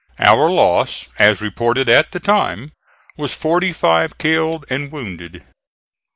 Our loss, as reported at the time, was forty five killed and wounded.